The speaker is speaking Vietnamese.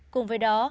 cùng với đó